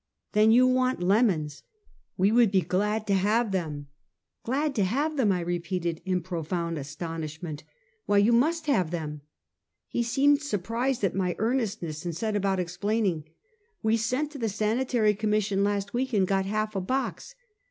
"Then you want lemons!" " We would be glad to have them! " 252 Half a Centukt. "Glad to have tliem?" I repeated, in profound as tonishment, " why, you must have them!" He seemed surprised at my earnestness, and set about explaining: " We sent to the Sanitary Commission last week, and got half a box."